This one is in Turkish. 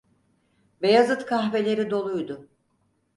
Beyazıt kahveleri doluydu.